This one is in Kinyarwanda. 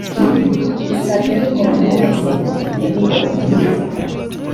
bisabwe n umuntu wese ubifitemo inyungu